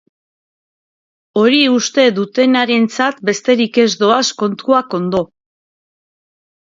Hori uste dutenarentzat besterik ez doaz kontuak ondo.